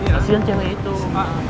kasian cewek itu